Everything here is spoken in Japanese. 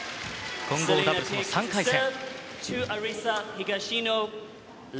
混合ダブルスの３回戦。